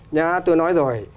nhá tôi nói rồi